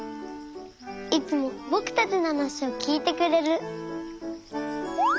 いつもぼくたちのはなしをきいてくれる。